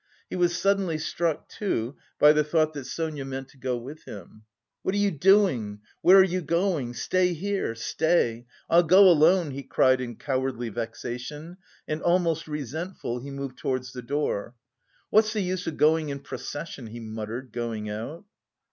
He was suddenly struck too by the thought that Sonia meant to go with him. "What are you doing? Where are you going? Stay here, stay! I'll go alone," he cried in cowardly vexation, and almost resentful, he moved towards the door. "What's the use of going in procession?" he muttered going out.